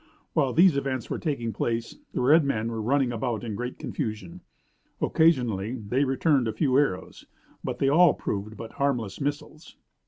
While these events were taking place the red men were running about in great confusion. Occasionally they returned a few arrows, but they all proved but harmless missiles.